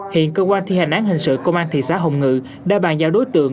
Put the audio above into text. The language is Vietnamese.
hiện cơ quan thi hành án hình sự công an thị xã hồng ngự đã bàn giao đối tượng